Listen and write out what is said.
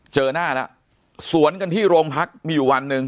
เจอหน้าแล้วสวนกันที่โรงพักมีอยู่วันหนึ่ง